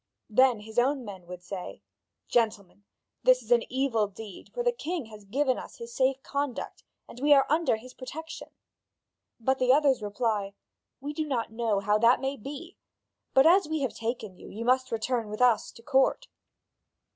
Then his own men say: "Gentlemen, this is an evil deed; for the king has given us his safe conduct, and we are under his protection." But the others reply: "We do not know how that may be; but as we have taken you, you must return with us to court."